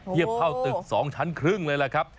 เทียบเท่าตึก๒ชั้นครึ่งเลยล่ะครับ